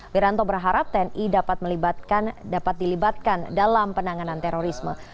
wiranto berharap tni dapat dilibatkan dalam penanganan terorisme